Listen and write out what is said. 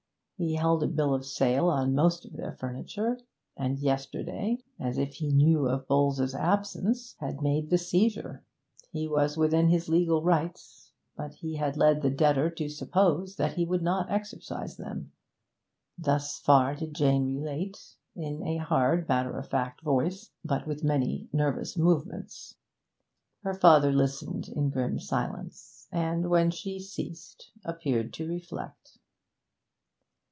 He held a bill of sale on most of their furniture, and yesterday, as if he knew of Bowles's absence, had made the seizure; he was within his legal rights, but had led the debtor to suppose that he would not exercise them. Thus far did Jane relate, in a hard matter of fact voice, but with many nervous movements. Her father listened in grim silence, and, when she ceased, appeared to reflect.